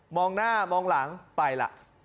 มองหน้ามองหลังไปละ